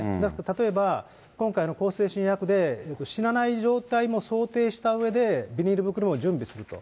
例えば今回の向精神薬で死なない状態も想定したうえで、ビニール袋も準備すると。